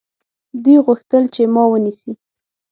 دوی غوښتل چې ما ونیسي.